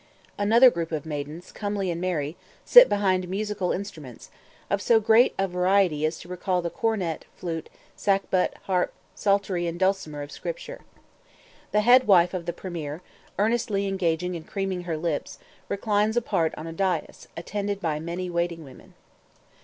Another group of maidens, comely and merry, sit behind musical instruments, of so great variety as to recall the "cornet, flute, sackbut, harp, psaltery, and dulcimer" of Scripture. The "head wife" of the premier, earnestly engaged in creaming her lips, reclines apart on a dais, attended by many waiting women.